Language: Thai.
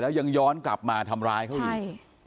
ยังย้อนกลับมาทำร้ายเขาอีก